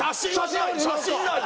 写真はない！